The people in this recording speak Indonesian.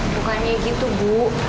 bukannya gitu bu